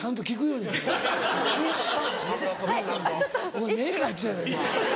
お前目かいてたやろ今。